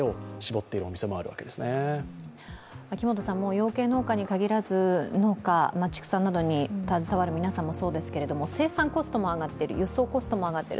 養鶏農家に限らず、農家、畜産などに携わる皆さんもそうですけれども、生産コストも輸送コストも上がっている。